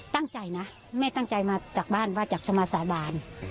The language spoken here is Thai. ตั้งใจนะแม่ตั้งใจมาจากบ้านว่าอยากจะมาสาบาน